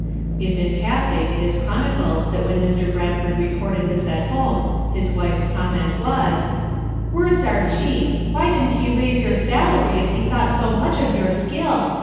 If in passing it is chronicled that when Mr. Bradford reported this at home his wife 's comment was : "Words are cheap; why didn't he raise your salary if he thought so much of your skill?"